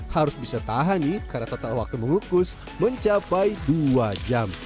harus bisa tahan nih karena total waktu mengukus mencapai dua jam